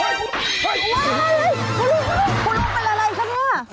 โหลเป็นอะไรคะนี่